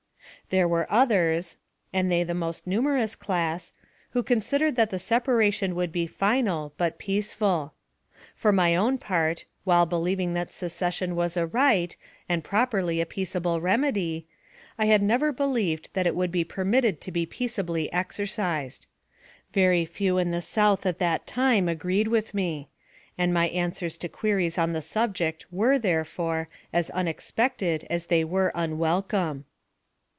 There were others, and they the most numerous class, who considered that the separation would be final, but peaceful. For my own part, while believing that secession was a right, and properly a peaceable remedy, I had never believed that it would be permitted to be peaceably exercised. Very few in the South at that time agreed with me, and my answers to queries on the subject were, therefore, as unexpected as they were unwelcome.